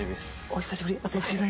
お久しぶり。